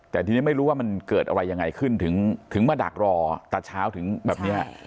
แต่ทีนี้ไม่รู้ว่ามันเกิดอะไรยังไงขึ้นถึงมาดักรอตะเช้าถึงแบบเนี้ย